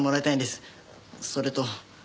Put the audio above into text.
それと。